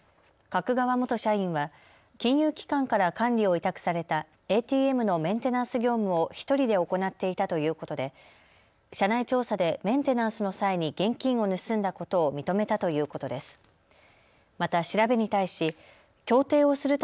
角川元社員は金融機関から管理を委託されたＡＴＭのメンテナンス業務を１人で行っていたということで社内調査でメンテナンスの際に現金を盗んだことを認めたということです。